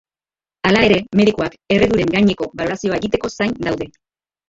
Hala ere, medikuak erreduren gaineko balorazioa egiteko zain daude.